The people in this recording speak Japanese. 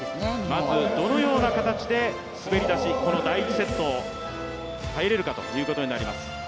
まずどのような形で滑り出し、この第１セットに入れるかということになります。